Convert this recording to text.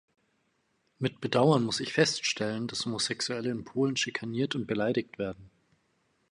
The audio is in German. Mit Bedauern muss ich feststellen, dass Homosexuelle in Polen schikaniert und beleidigt werden.